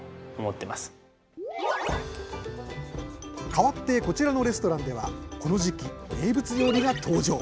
かわってこちらのレストランではこの時期名物料理が登場。